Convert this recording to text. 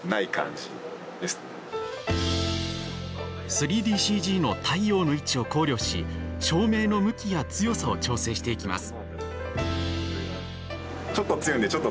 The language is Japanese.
３ＤＣＧの太陽の位置を考慮し照明の向きや強さを調整していきます。